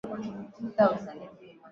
Chris amewasili sasa hivi.